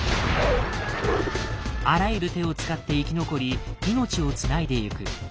あらゆる手を使って生き残り命をつないでゆく。